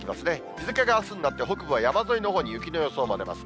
日付があすになって、北部は山沿いのほうに雪の予想も出ます。